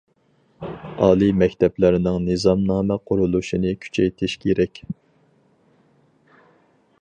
ئالىي مەكتەپلەرنىڭ نىزامنامە قۇرۇلۇشىنى كۈچەيتىش كېرەك.